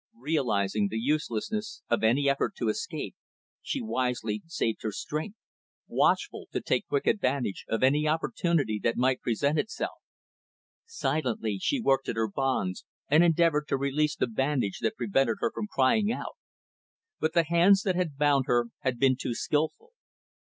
Realizing the uselessness of any effort to escape, she wisely saved her strength; watchful to take quick advantage of any opportunity that might present itself. Silently, she worked at her bonds, and endeavored to release the bandage that prevented her from crying out. But the hands that had bound her had been too skillful.